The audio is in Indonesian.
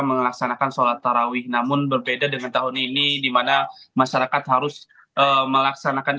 melaksanakan sholat tarawih namun berbeda dengan tahun ini dimana masyarakat harus melaksanakan